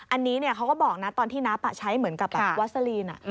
อันนี้เขาก็บอกนะตอนที่นับใช้เหมือนกับวัสลีน